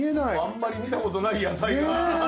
あんまり見たことない野菜が。